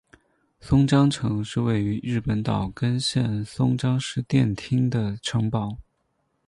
松江城是位于日本岛根县松江市殿町的城堡。